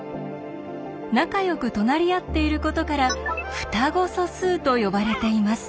仲よく隣り合っていることから「双子素数」と呼ばれています。